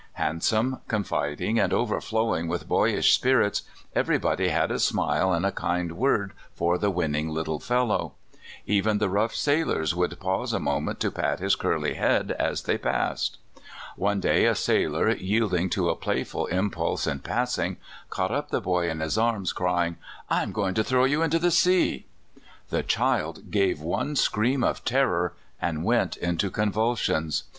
Handsome, confiding, and overflowing with boyish spirits, everybody had a smile and a kind word for the winning little fellow. Even the rough sailors would pause a moment to pat his curly head as they passed. One day a sailor, yielding to a playful impulse in passing, caught up the boy in his arms, crying: ' I am going to throw you into the sea !'*' The child gave one scream of terror, and went into convulsions.